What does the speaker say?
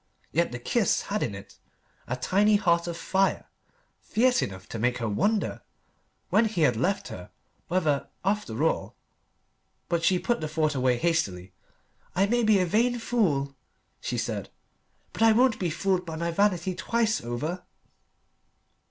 Yet the kiss had in it a tiny heart of fire, fierce enough to make her wonder, when he had left her, whether, after all.... But she put the thought away hastily. "I may be a vain fool," she said, "but I won't be fooled by my vanity twice over."